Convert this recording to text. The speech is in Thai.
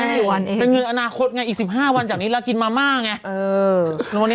เป็นเงินอนาคตไงอีก๑๕วันจากนี้เรากินมาม่าไง